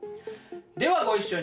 ではご一緒に。